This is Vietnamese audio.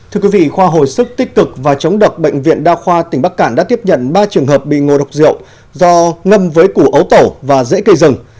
thưa quý vị khoa hồi sức tích cực và chống độc bệnh viện đa khoa tỉnh bắc cản đã tiếp nhận ba trường hợp bị ngộ độc rượu do ngâm với củ ấu tổ và dễ cây rừng